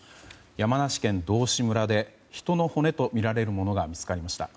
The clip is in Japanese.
山梨県道志村で人の骨とみられるものが見つかりました。